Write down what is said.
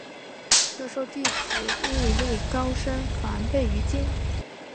又授弟子觅历高声梵呗于今。